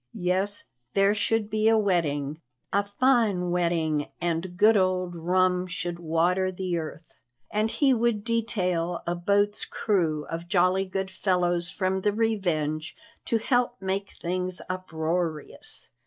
Yes, there should be a wedding, a fine wedding, and good old rum should water the earth. And he would detail a boat's crew of jolly good fellows from the Revenge to help make things uproarious.